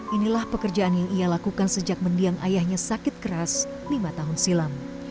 inilah pekerjaan yang ia lakukan sejak mendiang ayahnya sakit keras lima tahun silam